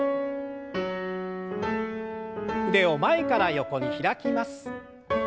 腕を前から横に開きます。